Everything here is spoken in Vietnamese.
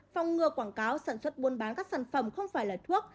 phòng ngừa quảng cáo sản xuất mua bán các sản phẩm không phải là thuốc